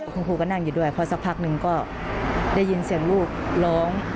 คุณครูก็นั่งอยู่ด้วยพอสักพักหนึ่งก็ได้ยินเสียงลูกร้อง